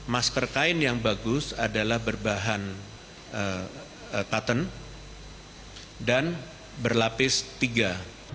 masker kain yang bagus adalah berbahan katun dan berlapis tiga